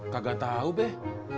kagak tau beh